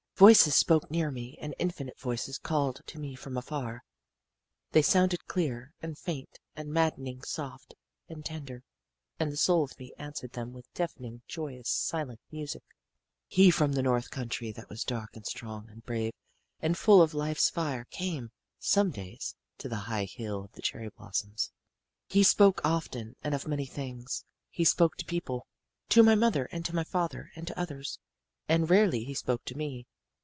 Voices spoke near me and infinite voices called to me from afar they sounded clear and faint and maddening soft and tender, and the soul of me answered them with deafening, joyous silent music. "He from the north country that was dark and strong and brave and full of life's fire came, some days, to the high hill of the cherry blossoms. He spoke often and of many things. He spoke to people to my mother and to my father, and to others. And rarely he spoke to me.